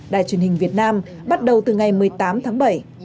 đài truyền hình việt nam bắt đầu từ ngày một mươi tám tháng bảy